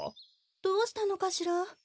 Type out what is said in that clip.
どうしたのかしら？